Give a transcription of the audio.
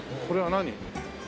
これは何？